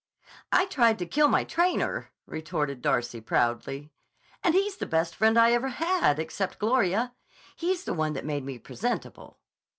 "I tried to kill my trainer," retorted Darcy proudly; "and he's the best friend I ever had except Gloria. He's the one that made me presentable."